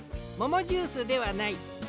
モモジュースではない。